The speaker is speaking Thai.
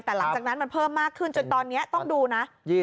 แต่หลังจากนั้นมันเพิ่มมากขึ้นจนตอนนี้ต้องดูนะ